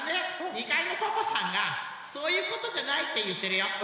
２かいのパパさんが「そういうことじゃない」っていってるよ。